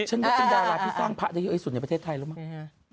ฉันว่าเป็นดาราที่สร้างพระได้เยอะที่สุดในประเทศไทยแล้วมั้ง